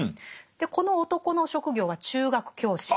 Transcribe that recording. でこの男の職業は中学教師。